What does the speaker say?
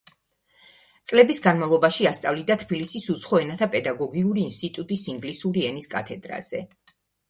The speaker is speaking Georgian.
წლების განმავლობაში ასწავლიდა თბილისის უცხო ენათა პედაგოგიური ინსტიტუტის ინგლისური ენის კათედრაზე.